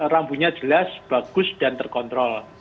rambunya jelas bagus dan terkontrol